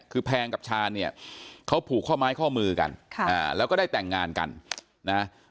คือแพงกับชาญเนี่ยเขาผูกข้อไม้ข้อมือกันแล้วก็ได้แต่งงานกันนะ